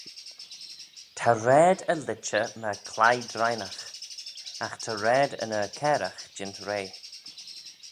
Ta raad y litcher myr cleiy drineagh: agh ta raad yn er-cairagh jeant rea.